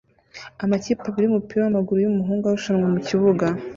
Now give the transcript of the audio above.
Amakipe abiri yumupira wamaguru yumuhungu arushanwa mukibuga